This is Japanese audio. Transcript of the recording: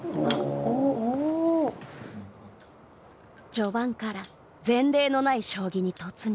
序盤から前例のない将棋に突入。